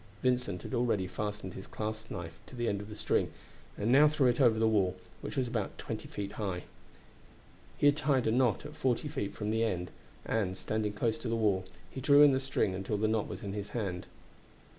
Vincent had already fastened his clasp knife to the end of the string, and he now threw it over the wall, which was about twenty feet high. He had tied a knot at forty feet from the end, and, standing close to the wall, he drew in the string until the knot was in his hand.